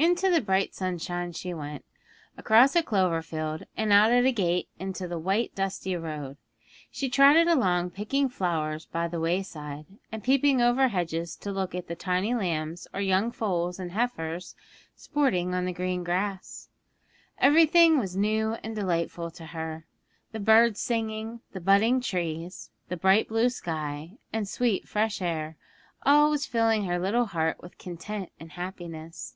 Into the bright sunshine she went, across a clover field, and out at a gate into the white, dusty road. She trotted along, picking flowers by the wayside, and peeping over hedges to look at the tiny lambs or young foals and heifers sporting on the green grass. Everything was new and delightful to her; the birds singing, the budding trees, the bright blue sky, and sweet fresh air, all was filling her little heart with content and happiness.